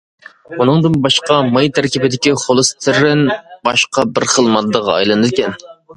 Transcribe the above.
ئۇنىڭدىن باشقا، ماي تەركىبىدىكى خولېستېرىن باشقا بىر خىل ماددىغا ئايلىنىدىكەن.